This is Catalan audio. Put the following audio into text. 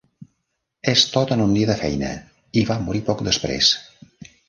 "És tot en un dia de feina" i va morir poc després.